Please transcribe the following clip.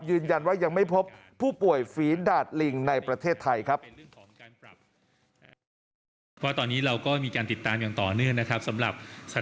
ยังไม่พบผู้ป่วยฝีดาดลิงในประเทศไทยครับ